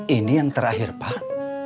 ini yang terakhir pak